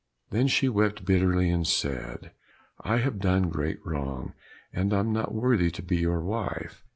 Then she wept bitterly and said, "I have done great wrong, and am not worthy to be your wife."